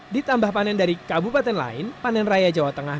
ditambah panen dari kabupaten lain panen raya jawa tengah